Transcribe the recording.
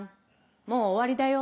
もう終わりだよ。